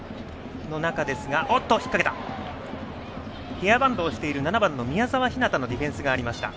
ヘアバンドをしている７番の宮澤ひなたのディフェンスがありました。